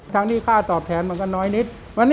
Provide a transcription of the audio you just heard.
ทั้งที่ค่าตอบแทนมันก็น้อยนิด